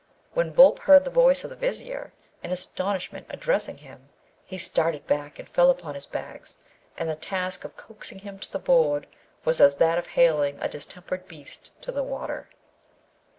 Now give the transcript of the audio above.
When Boolp heard the voice of the Vizier, in astonishment, addressing him, he started back and fell upon his bags, and the task of coaxing him to the board was as that of haling a distempered beast to the water.